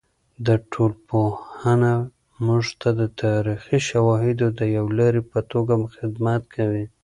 د ټولنپوهنه موږ ته د تاریخي شواهدو د یوې لارې په توګه خدمت کوي.